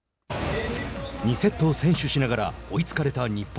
２セットを先取しながら追いつかれた日本。